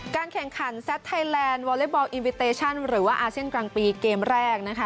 แข่งขันแซตไทยแลนด์วอเล็กบอลอินวิเตชั่นหรือว่าอาเซียนกลางปีเกมแรกนะคะ